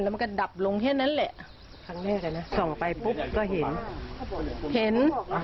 มันก็ดับลงแค่นั้นแหละครั้งแรกเลยนะส่องไปปุ๊บก็เห็นเห็น